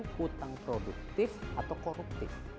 hutang produktif atau koruptif